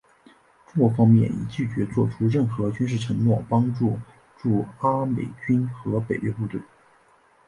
中国方面已拒绝做出任何军事承诺帮助驻阿美军和北约部队。